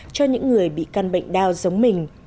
cho những người bị căn bệnh đau giống mình